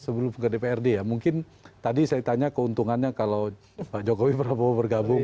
sebelum ke dprd ya mungkin tadi saya tanya keuntungannya kalau pak jokowi prabowo bergabung